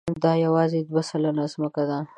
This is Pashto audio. دا یواځې دوه سلنه ځمکه ده.